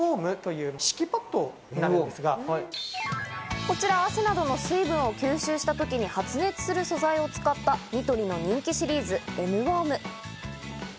こちら、汗などの水分を吸収した時に発熱する素材を使ったニトリの人気シリーズ・Ｎウォーム。